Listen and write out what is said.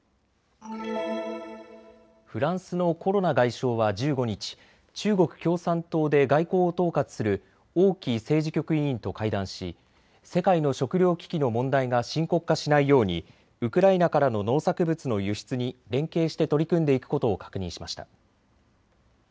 フランスのコロナ外相は１５日、中国共産党で外交を統括する王毅政治局委員と会談し世界の食料危機の問題が深刻化しないようにウクライナからの農作物の輸出に連携して取り組んでいくことを確認しました。